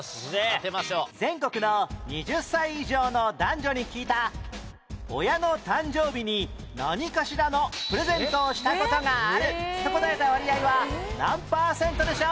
全国の２０歳以上の男女に聞いた親の誕生日に何かしらのプレゼントをした事があると答えた割合は何パーセントでしょう？